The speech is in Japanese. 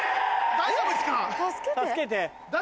大丈夫っすか？